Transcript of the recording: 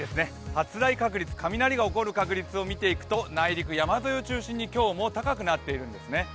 発雷確率を見ていくと内陸、山沿いを中心に今日も高くなっているんですね。